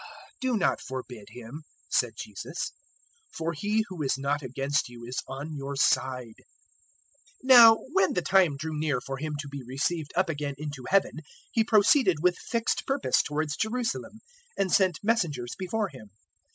009:050 "Do not forbid him," said Jesus, "for he who is not against you is on your side." 009:051 Now when the time drew near for Him to be received up again into Heaven, He proceeded with fixed purpose towards Jerusalem, and sent messengers before Him.